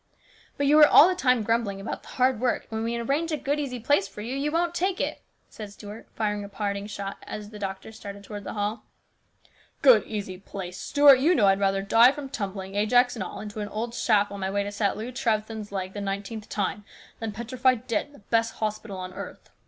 " But you are all the time grumbling about the hard work, and when we arrange a good, easy place for you, you won't take it," said Stuart, firing a parting shot as the doctor started towards the hall. " Good, easy place ! Stuart, you know I'd rather die from tumbling, Ajax and all, into an old shaft on my way to set Lew Trethven's leg the nineteenth time than petrify dead in the best hospital on earth